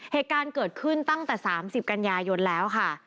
เหตุการณ์เกิดขึ้นตั้งแต่๓๐กันยายนแล้วค่ะ